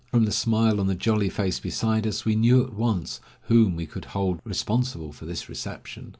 From the smile on the jolly face beside us, we knew at once whom we could hold responsible for this reception.